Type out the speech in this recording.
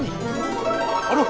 laginya kenceng nih